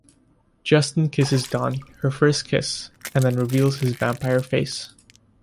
Justin kisses Dawn - her first kiss - and then reveals his vampire face.